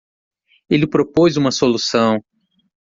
Ele propôs uma solução.